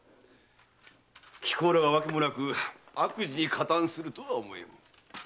貴公らがわけもなく悪事に加担するとは思えぬ。